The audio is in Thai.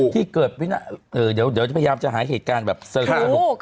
ที่เกิดวินาทเดี๋ยวจะพยายามจะหายเหตุการณ์แบบเซอร์ฟ่าอาณุคค่ะ